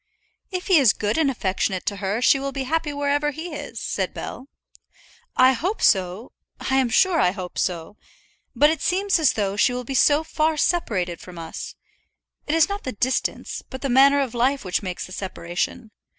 "If he is good and affectionate to her she will be happy wherever he is," said Bell. "I hope so; I'm sure I hope so. But it seems as though she will be so far separated from us. It is not the distance, but the manner of life which makes the separation.